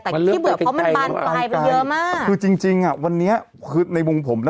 แต่ที่เบื่อเพราะมันบานปลายไปเยอะมากคือจริงจริงอ่ะวันนี้คือในมุมผมนะ